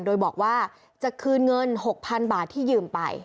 โดยบอกว่าจะคืนเงิน๖๐๐๐บาทที่ยืมไป